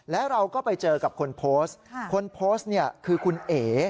แล้วเราก็ไปเจอกับคนโพสต์คนโพสต์เนี่ยคือคุณเอ๋